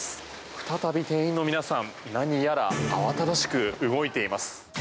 再び店員の皆さん何やら慌ただしく動いています。